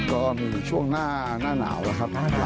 ก็มีช่วงหน้าหนาวแล้วครับ